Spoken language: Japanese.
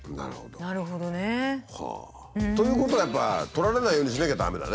なるほどね。ということはやっぱとられないようにしなきゃ駄目だね